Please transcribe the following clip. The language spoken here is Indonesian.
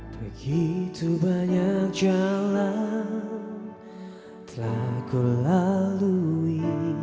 begitu banyak jalan telah ku lalui